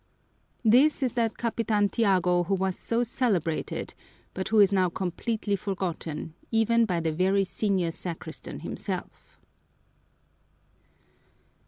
This is that Capitan Tiago who was so celebrated, but who is now completely forgotten, even by the very senior sacristan himself.